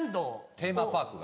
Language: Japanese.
テーマパークが。